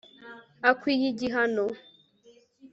akwiye igihano